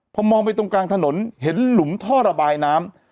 พอมองไปตรงกลางถนนเห็นหลุมท่อระบายน้ำ